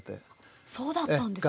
えっそうだったんですね。